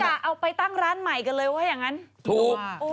เอาไปตั้งร้านใหม่กันเลยว่าอย่างนั้นถูก